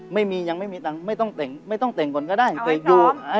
ไม่มียังไม่มีตังค์ไม่ต้องแต่งก่อนก็ได้แต่อยู่